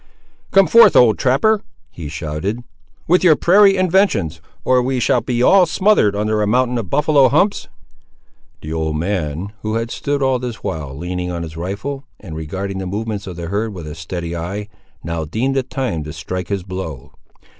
"Come forth, old trapper," he shouted, "with your prairie inventions! or we shall be all smothered under a mountain of buffaloe humps!" The old man, who had stood all this while leaning on his rifle, and regarding the movements of the herd with a steady eye, now deemed it time to strike his blow.